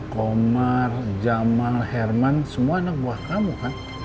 komar jamal herman semua anak buah kamu kan